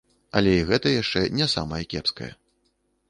Але і гэта яшчэ не самае кепскае.